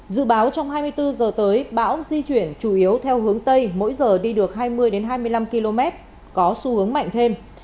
dự báo trong hai mươi bốn h tới bão di chuyển chủ yếu theo hướng tây mỗi giờ đi được hai mươi hai mươi năm km có xu hướng mạnh thêm